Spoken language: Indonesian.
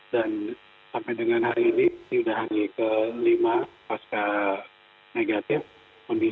dan sampai dengan hari ini sudah hanya kelima pasca negatif kondisi